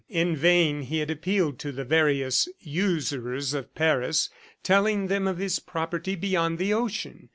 In vain he had appealed to the various usurers of Paris, telling them of his property beyond the ocean.